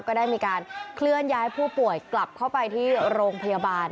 ก็ได้มีการเคลื่อนย้ายผู้ป่วยกลับเข้าไปที่โรงพยาบาล